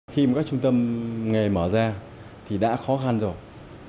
khi mà các trung tâm nghề mở ra thì đã khó khăn rồi